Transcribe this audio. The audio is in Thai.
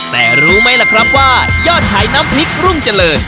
แต่รู้ไหมล่ะครับว่ายอดขายน้ำพริกรุ่งเจริญ